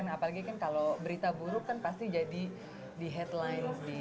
apalagi kan kalau berita buruk kan pasti jadi di headline